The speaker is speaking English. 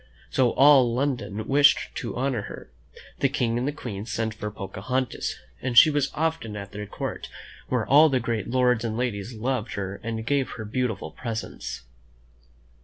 So all London wished to honor her. The King and the Queen sent for Pocahontas, and she was often at their court, where all the great lords and ladies loved her and gave her beautiful presents.